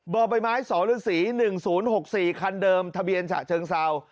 เบอร์ไบไม้สศ๑๐๖๔คันเดิมทะเบียนฉะเชิงซาว